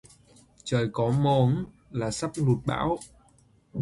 Trời có môống là sắp lụt bão